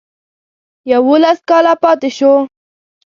یوولس کاله پاته شو.